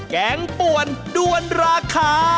แกงป่วนด้วนราคา